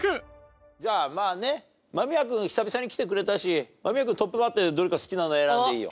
じゃあ間宮君久々に来てくれたし間宮君トップバッターでどれか好きなの選んでいいよ。